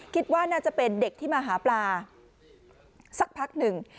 คิดว่าน่าจะเป็นเด็กที่มาหาปลาสักพักหนึ่ง